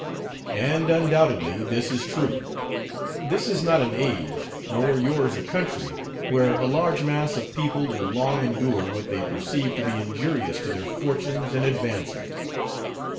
And undoubtedly this is true. This is not an age, nor yours a country, where a large mass of people will long endure what they perceive to be injurious to their fortunes and advancement.